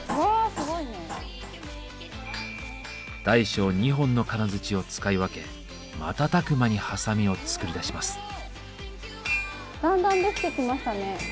大小２本の金づちを使い分け瞬く間にハサミを作り出します。